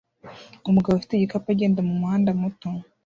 Umugabo ufite igikapu agenda mumuhanda muto